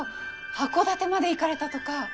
箱館まで行かれたとか。